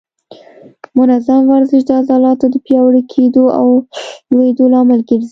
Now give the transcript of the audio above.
منظم ورزش د عضلاتو د پیاوړي کېدو او لویېدو لامل ګرځي.